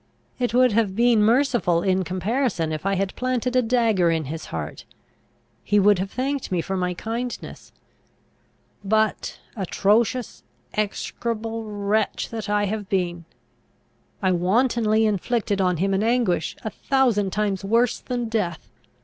It would have been merciful in comparison, if I had planted a dagger in his heart. He would have thanked me for my kindness. But, atrocious, execrable wretch that I have been! I wantonly inflicted on him an anguish a thousand times worse than death.